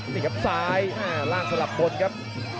นี่ครับซ้ายล่างสลับบนครับ